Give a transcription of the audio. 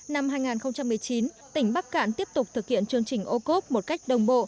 năm hai nghìn một mươi chín tỉnh bắc cạn tiếp tục thực hiện chương trình ô cốp một cách đồng bộ